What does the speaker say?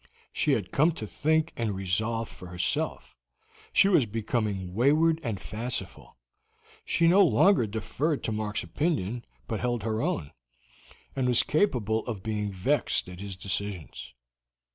She had come to think and resolve for herself; she was becoming wayward and fanciful; she no longer deferred to Mark's opinion, but held her own, and was capable of being vexed at his decisions.